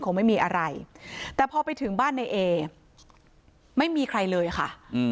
คงไม่มีอะไรแต่พอไปถึงบ้านในเอไม่มีใครเลยค่ะ